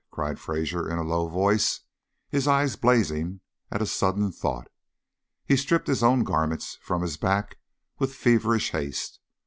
cried Fraser in a low voice, his eyes blazing at a sudden, thought. He stripped his own garments from his back with feverish haste.